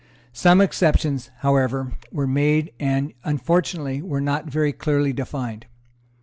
Some exceptions, however, were made, and, unfortunately, were not very clearly defined.